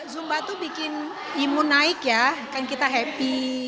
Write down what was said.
zumba itu bikin imun naik ya kan kita happy